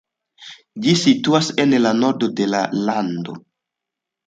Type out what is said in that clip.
Ĝi situas en la nordo de la lando.